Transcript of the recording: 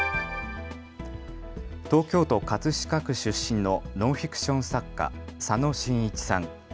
東京都葛飾区出身のノンフィクション作家、佐野眞一さん。